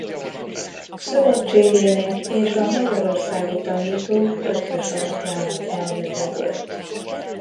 Szövetségének és a Magyarországi Tanítók Eötvös-alapjának elnöke volt.